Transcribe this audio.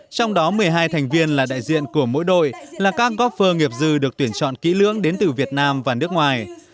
trong đó một mươi hai thành viên là đại diện của mỗi đội là các góp phơ nghiệp dư được tuyển chọn kỹ lưỡng đến từ việt nam và nước ngoài